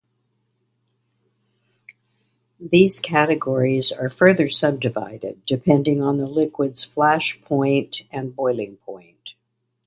These categories are further subdivided, depending on the liquid's flash point and boiling point.